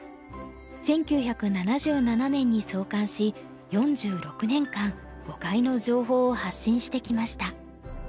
１９７７年に創刊し４６年間碁界の情報を発信してきました。